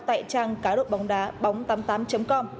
tại trang cá độ bóng đá bóng tám mươi tám com